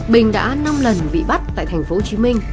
bình đã năm lần bị bắt tại tp hcm